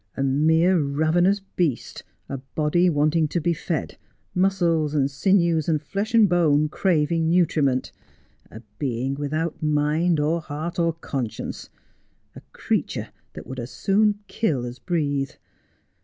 A mere ravenous beast, a body wanting to be fed, muscles and sinews, and flesh and bone craving nutriment, a being without mind, or heart, or conscience ; a creature that would as roon kill as breathe.